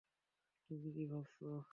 তুমি কি ভাবছ?